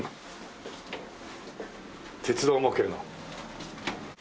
鉄道模型の。